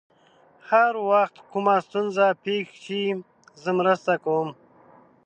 هر وخت کومه ستونزه پېښ شي، زه مرسته کوم.